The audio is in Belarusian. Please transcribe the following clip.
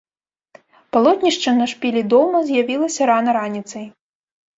Палотнішча на шпілі дома з'явілася рана раніцай.